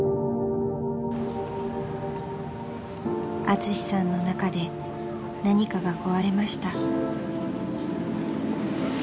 ［アツシさんの中で何かが壊れました］